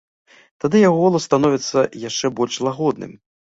Тады яго голас становіцца яшчэ больш лагодным.